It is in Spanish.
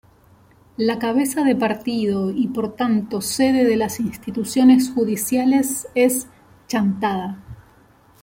La cabeza de partido y por tanto sede de las instituciones judiciales es Chantada.